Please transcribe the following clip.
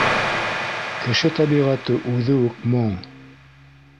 Кеше тәбиғәте үҙе үк моң.